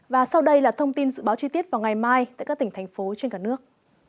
và sau đây là thông tin dự báo chi tiết vào ngày mai tại các tỉnh thành phố trên cả nước